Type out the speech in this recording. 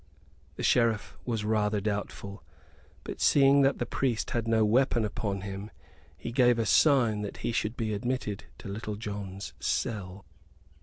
The Sheriff was rather doubtful, but seeing that the priest had no weapon upon him, he gave a sign that he should be admitted to Little John's cell.